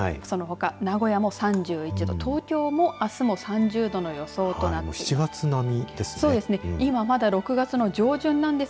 そのほか、名古屋も３１度東京もあすも３０度の予想となっています。